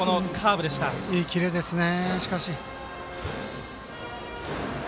いいキレですね。